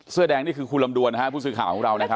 เสื้อแดงนี่คือคุณลำดวนนะฮะผู้สื่อข่าวของเรานะครับ